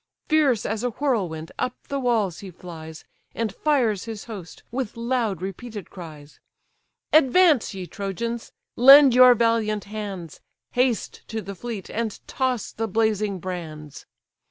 Fierce as a whirlwind up the walls he flies, And fires his host with loud repeated cries. "Advance, ye Trojans! lend your valiant hands, Haste to the fleet, and toss the blazing brands!"